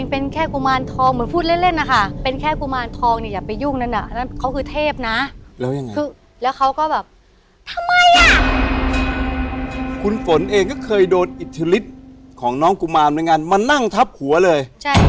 โปรดติดตามตอนต่อไป